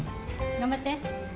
頑張って。